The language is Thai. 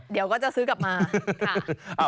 เดี๋ยวก็จะซื้อกลับมาค่ะ